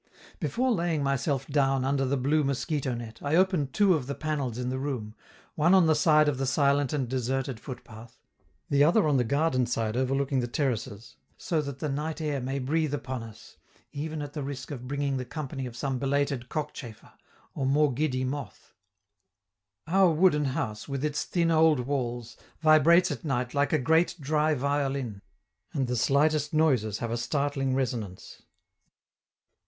Before laying myself down under the blue mosquito net, I open two of the panels in the room, one on the side of the silent and deserted footpath, the other on the garden side, overlooking the terraces, so that the night air may breathe upon us, even at the risk of bringing the company of some belated cockchafer, or more giddy moth. Our wooden house, with its thin old walls, vibrates at night like a great dry violin, and the slightest noises have a startling resonance.